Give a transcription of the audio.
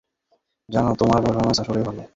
জানো, তোমার পারফরম্যান্স আসলেই ভালো।